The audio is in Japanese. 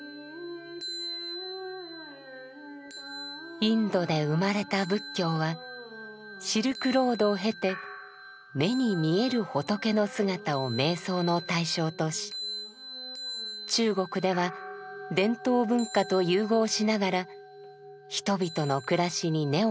インドで生まれた仏教はシルクロードを経て目に見える仏の姿を瞑想の対象とし中国では伝統文化と融合しながら人々の暮らしに根を張っていきました。